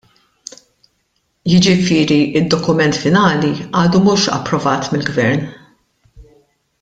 Jiġifieri d-dokument finali għadu mhux approvat mill-Gvern.